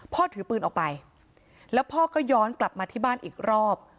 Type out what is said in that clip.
ถือปืนออกไปแล้วพ่อก็ย้อนกลับมาที่บ้านอีกรอบ